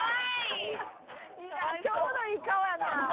ちょうどいい顔やな。